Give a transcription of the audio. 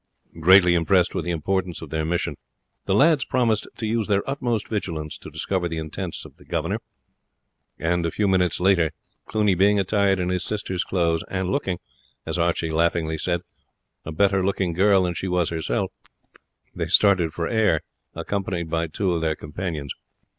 Greatly impressed with the importance of their mission, the lads promised to use their utmost vigilance to discover the intentions of the governor; and a few minutes later, Cluny being attired in his sister's clothes, and looking, as Archie laughingly said, "a better looking girl than she was herself," they started for Ayr, accompanied by two of their companions.